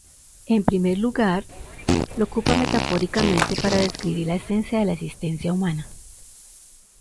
En primer lugar, lo ocupa metafóricamente para describir la esencia de la existencia humana.